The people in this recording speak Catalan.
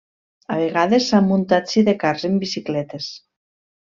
A vegades s'han muntat sidecars en bicicletes.